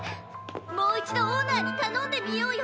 もう一度オーナーに頼んでみようよ。